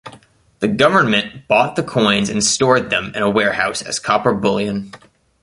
The government bought the coins and stored them in a warehouse as copper bullion.